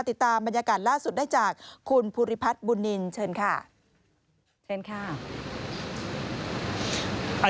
ติดตามบรรยากาศล่าสุดได้จากคุณภูริพัฒน์บุญนินเชิญค่ะเชิญค่ะ